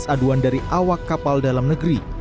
delapan belas aduan dari awak kapal dalam negeri